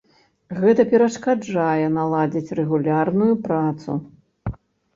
Гэта перашкаджае наладзіць рэгулярную працу.